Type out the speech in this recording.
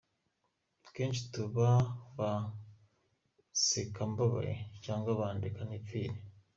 Kenshi tuba ba nsekambabaye, cyangwa ba ndeka-nipfire.